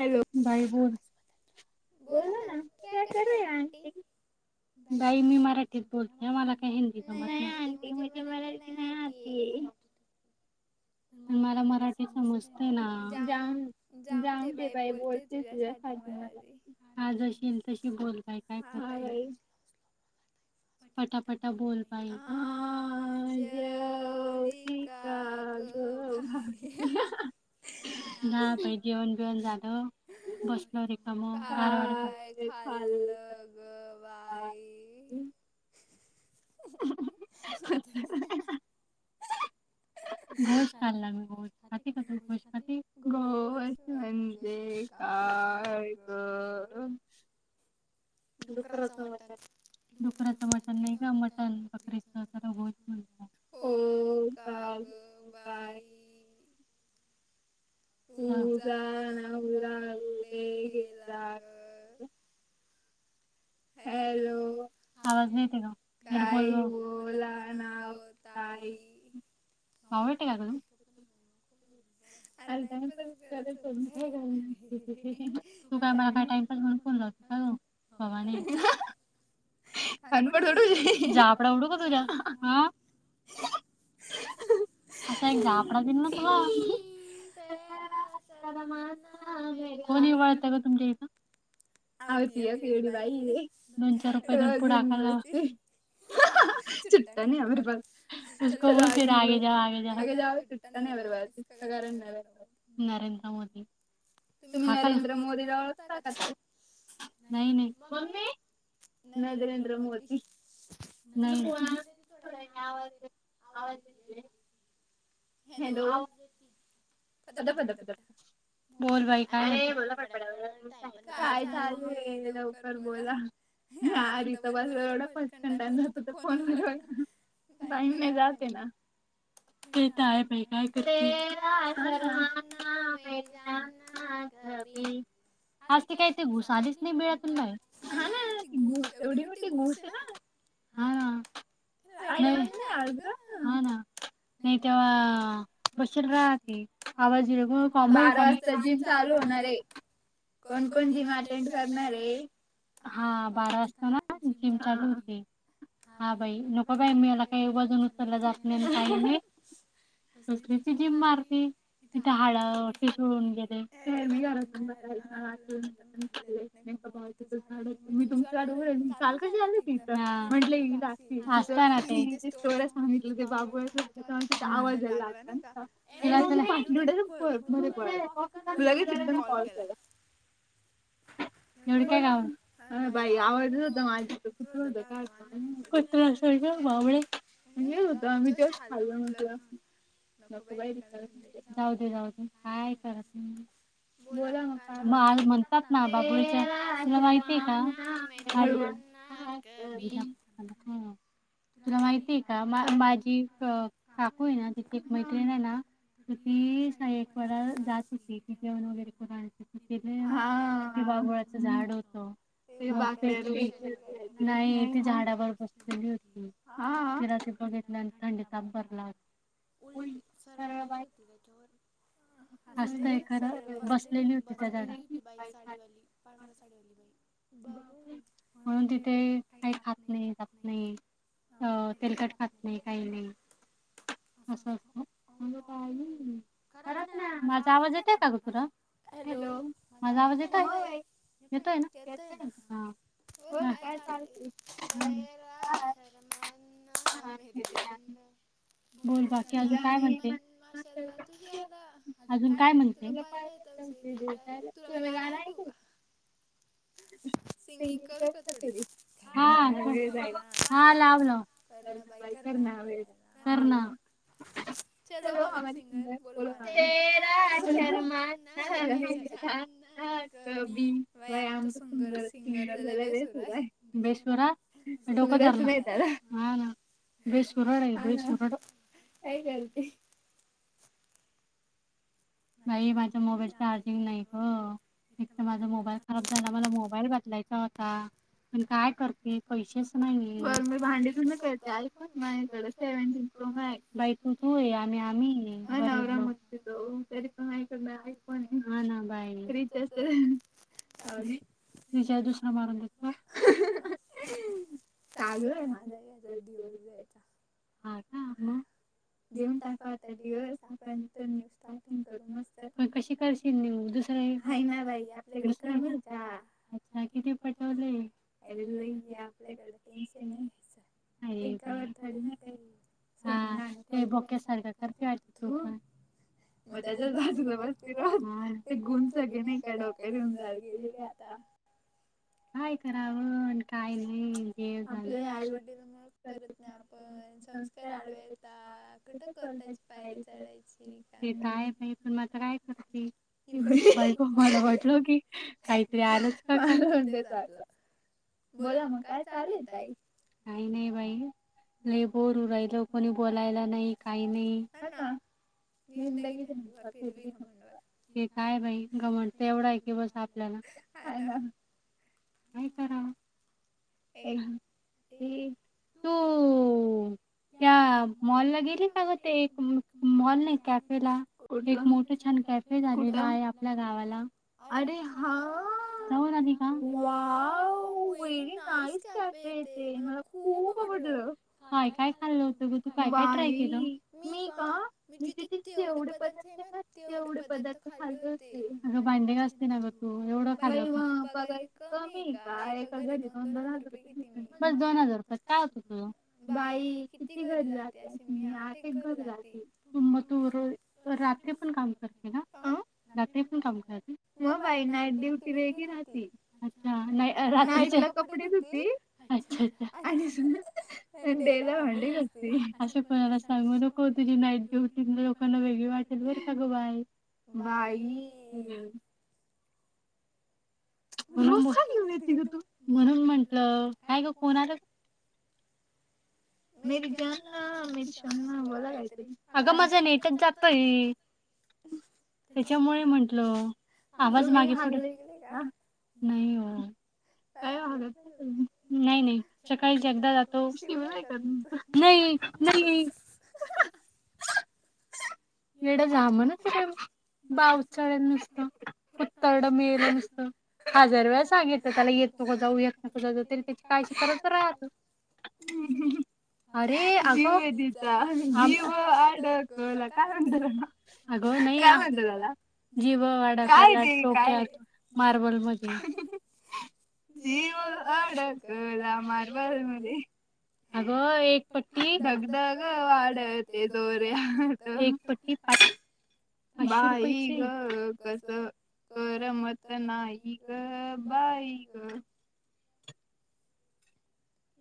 Hello भाई बोल बोलोना क्या करये आंटी. बाई मी मराठीत बोलते मला काय हिंदी जमत नाही. नाय ऑंटी मुझे मराठी नाय आती. मला मराठी समजते ना, जावून जाउदे म ये बाई बोलते तुझ्या साठी, हा जशी येईल तशी बोल बाई काय करती. [inaudible] पटापटा बोल बाई. हा जेवली का? अ बाय. हा बाई जेवन झाल बोसलो रीकाम [unintelligible] हा हम्म [unintelligible] घोश खायलागल घोश खाती का तू घोश खाती, घोश म्हन जे काय बर. डुकराच मटण, तुझा नवरा [unintelligible] [unintelligible] हॅलो. आवाज नाहीे येते का? बावळटे का ग तू. [inaudible] काय टाइमपासच करायच म काय करणारे, तू काय मला टाइपास म्हणून फोन लावते काव. [unintelligible] [unintelligible] झापड ओडूका तुझ्या आ. असा एक [unintelligible] दिन ना तुला. सुन तेरा कोण इवळत ग तुमच्या इथं, आव ती एक यडी बाईये, दोन चार रुपये देऊन पुढे हाकल ना. छुट्टा नही हमारे पास, उसको बोल फिर आगे जाओ आगे जाओ, आगे जाओ छुट्टा [inaudible] नरेंद्र मोदी. तुम्ही नरेंद्र मोदीला ओळखता का नाही नाही. मम्मे ना नरेंद्र मोदी. नाही नाही. आवाज येत नाही. हॅलो [inaudible] बोल बाई काय र बला पड का चालू ल ब बोला या रि तर बज एवढा फस्ट स टाईम जातो तर फोन म ईने जाते ना ते तर आहे बा काय करती. [inaudible] आज ते काय ते घुसारीच नाही मिळत. हा ना ती घूस एवढी मोठी घूस आहे ना. हा ना नाही तेव्हा बशीर राह आवाजी कॉ चालू होणार आहे. कोण कोण जी मट हा बारा वाजतो ना जिम चालू होती. हा बाई नको बाई मला काही वजन उचललं जात मला. कसली ती जिम मारती. तिथे हाड ठिसूळ होऊन गेले, मी घरातून नाही का बा त झाड मी तुमच्याड चाल कशी आली ती इथं म्हट का ना ते स्टोर्या सांगितलं ते बाबूळ त्या आवाजला आता [inaudible] [unintelligible] एवढ काय बाई आवड हो माझ कुत हो काय्र मावळे हेेत होत आम्ही जास् खाल्लं म्ह [unintelligible] जाऊ दे जाऊ दे काय कर् बोला म म म्हणतात ना बाब तला माहितीय का? तुला माहितीय का माझी काकू आहे ना तिथ एक मैत्रिण आहे ना. तर ती शक वडा जात होती ती जेवण वगैरे कोण आणते बाळ झाड होतो. की नाही त झाडावरर बसलेली होती. घित थंडी तप बरला. उलट सरळ बाई होती त्याच्यावर आस्त ए खरं बसलेली होती त्या झाडेवर पांढर साडवली बाई बाबू म्हणून तिथे काही खात नाही जात नाही. अ तेलकट खात नाही काही नाही [inaudible] असं असतं का करत ना माझा आवाज येत आहे का ग तुला? हॅलो मजा आवाज येतो आहे येतो आहे ना? बोल काय चाल मरा शर्मानना मेरी जा [inaudible] बोल बाकी अजून काय म्हणते. शाल तुझी आ अज काय म्हण तुला पाहिलं य देवला तुला मी गाणंऐकू [inaudible] सिंगिंग करू का थोडी जाईल ना ह लावलं करण बाई करण कर वे करणा चच चलो हमारे सिंगर बोलो तेरान शरमाना मेरी जान हा भीम आमच संगर सिंगर झाला बेसूर आहे. सुरच नाही त्याला. हां. बेसुरा बेसुराय. भाई माझ्या मोबाईल चार्जिंग नाही ग. एक तर माझा मोबाईल खराब झाला. मला मोबाईल बदलायचा होता. पण काय करते पैसेच नाही. बर मी भांडी धुणं करते. आयफोन [inaudible] बाई तू तू आहे. आम्ही आम्हीये नवरा मुत पितो. ऐक ना [unintelligible] [inaudible] ना बाई जाऊदे. रिचार्ज दुसरा मारून देतो काय? चालू आहे. माझा याचा दिवस द्यायचा. हा का ह देेऊन टाकावा रिटर्न. [inaudible] मस्त आहे ना बाई आपल्याकडे कमी का? किती पटवलय? अरे लई आपल्याकड टेन्शन नाही घ्यायचं. एका वरती थोडी ना काही सोन नाणं काही पडलय ना त्या बोक्यासारख करती वाटत तू थुं. ह. मग त्याच्याच बाजूला बसते रोज ते गुण सगळे नाही का डोक्यातून [inaudible] गेलेले आता. [inaudible] काय करावं? काय नाही? आपले आईवडिल मुळ करत नाही. आपण संस्कार आडवे येतात कुठं करत? त्याची पायरी चढायची [inaudible] रिकामी काय बी पण आता काय करते? बाऐ क मला वाटल की काहीतरी आलंच का आलं म्हण ते चालं. बोला मग काय चालूय ताई? काही नाही बाई. लय बोर होऊन राहिलं. कोणी बोलायला नाही काही नाही? [inaudible] द ते काय बाई घुमटतय एवढा आहे की बस आपल्याला काय नाय काय तर आहे? एक. ती तू. त्या मॉलला गेली का ग? ते एक मॉल नाही का? [inaudible] एक मोठ छान कॅफे झालेला आहे. आपल्या गावाला अरे हा! जावून आली का? वाॅव आईस कॅफे ते मला खूप आवडलं? काय काय खाय होत. बाई [inaudible] मी का म तिथ जवढे पदार्थ आहे ना? तेवढे पदार्थ खाल्ले होते. अग भांडी घासते ना ग तु एवढ [inaudible] बघायच कमी कोण आहेत का घरी? पंधरा हजार रुपये. किती रुपये घेते मी बस दोन हजारांमध्ये काय होत बाई अशी किती घरी जाते मी. [inaudible] बघ तु मग तू रात्री पण काम करती का? रात्री पण काम करते? मग बाई नाईट ड्युटी वैगेरे राहती. अच्छा नाईट नाहीतर [inaudible] कपडे धुती. अच्छा अच्छा आणि प संडेला भांडी घासती. अस ते पण कोणालाच सांगू नको. तिथल्या लोकांना वेगळ वाटेल बरं का ग बाई. अगं बाय बाई म्हणून घेऊन येते ग तू म्हणून म्हंटलं काय ग कोण आलय? मेरी जाना मेरी जाना बोला काय तरी अगं माझ्या नेटच जातोय. त्याच्यामुळे म्हंटल आवाज येईना गेला. नाही हो. का [inaudible] नाही-नाही सकाळी एकदा जातो. नाही नाही [inaudible] येडे जाम ना त्या [inaudible] म बावचळल नुसतं. कत्तर्ड मेलं नुसतं. हजार वेळा सांगितेत त्याला येत तो जाऊयाेत ना कस जाऊ तरी त्याची काळज करतच राहाय आजुन. हम्म. ह. अरे अ. जीव हाय तिचा. जीव अडकला. काय म्हणते त्याला. अग नाही जीव अडकला ठोक्यात. काय म्हणते त्याला. काय हाय ते. मार्बल मध्ये. जीव अडकला मारवाल मध्ये. अगं एक पक्की. धगधग वाडते दोऱ्यात. पुटी पा बाई ग. कस कर मत नाई ग. बाई. बाई ग.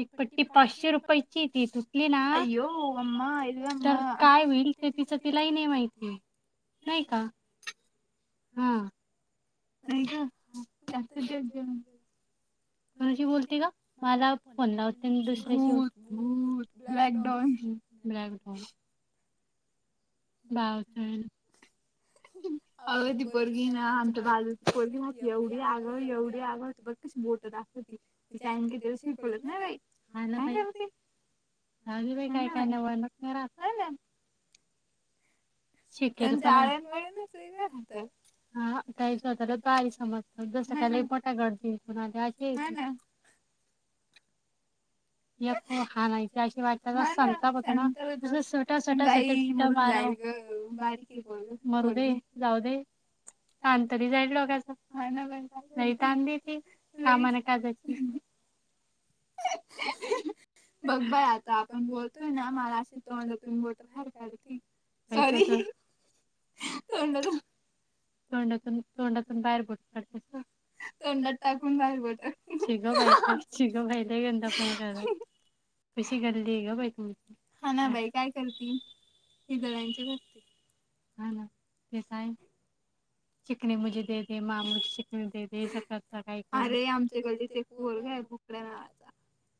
एक पट्टी पाचशे रुपयाची ती. तुटली ना ये अम्मा. तर काय होईल. तिच तिलाही नाही माहिती नाही का. हा. आई ग दत्त जयंती. कोणाशी बोलते ग. मला. फोनलावते आणि दुसऱ्याशी. ब्लॅकडन-ब्लॅकडोन. बाउचळ. अगं ती पोरगी ना. आमच्या बाजूची पोरगी. एवढी आगाऊ एवढी आगाऊ. बघ कशी बोट दाखवते. तिच्या आईने काय तिला शिकवलच नाही बाई काय करते. ह बा काय-काय न वा नाही राहतय. त्याच्या आळवळणच हाय घरात. स्वतःला लई समजत त्याला पोटा गडदी कोणा [unintelligible] हा नाही अशी वाटत सांगता बघ ना सटासटा मारवा. बारी ब मरू दे. जाऊ दे. ताण तरी जाइल लोकाचा. लई तांन देती कामाना काजयची. नाहि [unintelligible] बघ बाय आता आपण बोलतोय ना. मला तोंडातून बोलतो फार फार की. घरी हो [unintelligible] तोंडातून-तोंडातून बाहेर बठून काढतात का. तोंडात टाकून बाहेर काढतात ची ग बाई. ची ग बाई. लई घनताड हौसा. कशी कली आहे ग बाई तु. हा ना बाई काय करते. हिजड्यांची भरती. हा ना तेस आहे. चिकणी म्हे दे. दे. मा चिकणी दे. दे. सळत का. अरे आमच्या गल्लीत एक पोरग भुकडे नावाचा.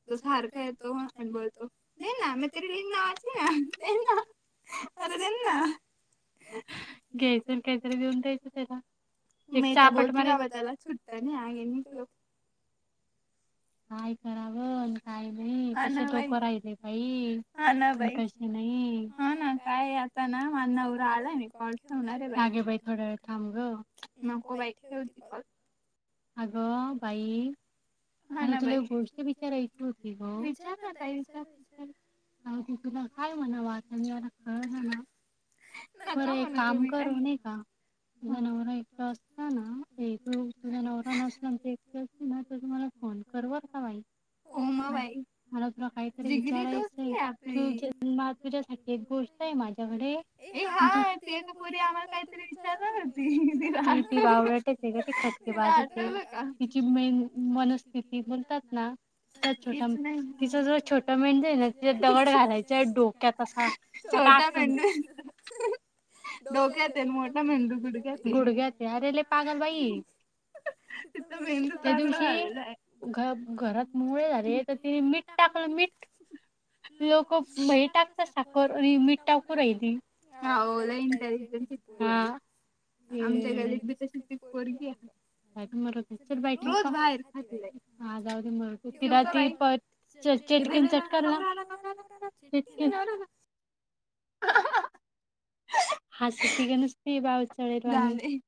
तो सारखं येतो. आणि बोलतो. नाही ना मतरी ली नावाची ना. ना. देणा. घ्यायच आणि काहीतरी देऊन द्यायचं त्याला. मी चापट मारू का त्याला? सुट्टं नाय आहे हिच [unintelligible] [unintelligible] करा ग [unintelligible] काय नाही. कशी कराले बाई? हा ना बाई, का कशी नाही, हा ना, काय आता ना. नवरा आलाय मी कॉल ठेवणार हाय बाई, आगं बाई थोड्यावेळ थांब गं, नको बाई ठेवती कॉल. अगं बाई [unintelligible] विचारायची होती विचार विचार क तुला काय म्हणा वाट मला कळ झालं र काम करू न का जनावर एकटा असताना ते तू जनावर नसला एकट अस तुम्हाला फोन कर हो मला तु काहीतरी मपूजेसाठीठी एक गोष्ट आहे माझ हा तेपरी आम्हाला काहीतरी विचारणार होती टक बाज तिची मे मनस्थिती बोलतात ना छोट तिचां जो छोट मेंदू आहे ना ति दगड घालायच आहे डोक्यात असा प डोक्यात मोठ मेंदू गुडघ्यात अरेले पागल बाई तिथ मी हिंदुस्नी आलेलं आहे घरात मुळे झाले तर तिने मीठ टाकलं मीठ लोक बाई टाकतात साखर आणि मीठ टाकू राहि इंटज ह आमच्या घलीती त वरगीच्या बट बाहेर खात ह तिरा पटचेलकन चटक नाटक ह हासती का नुसते बाऊचाले वणी